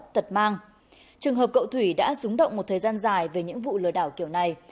trường hợp cậu thủy đã rúng động một thời gian dài về những vụ lừa đảo kiểu này